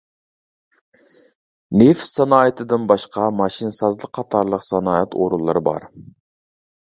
نېفىت سانائىتىدىن باشقا ماشىنىسازلىق قاتارلىق سانائەت ئورۇنلىرى بار.